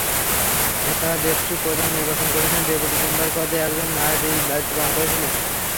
এছাড়াও দেশটির প্রধান নির্বাচন কমিশনের ডেপুটি চেয়ার পদে একজন নারী দায়িত্ব পালন করছিলেন।